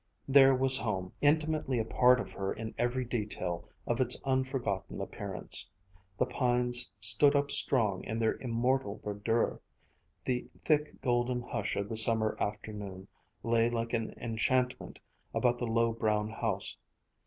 There was home intimately a part of her in every detail of its unforgotten appearance. The pines stood up strong in their immortal verdure, the thick golden hush of the summer afternoon lay like an enchantment about the low brown house.